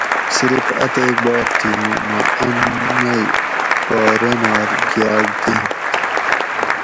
صرف اتیک بات تھی اُوں مہ ان مئ پا رینار گیاۤگ دیاۤنت